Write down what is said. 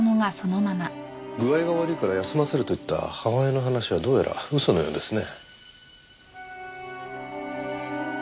具合が悪いから休ませると言った母親の話はどうやら嘘のようですね。